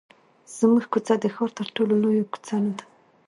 زموږ کوڅه د ښار تر ټولو لویه کوڅه نه ده.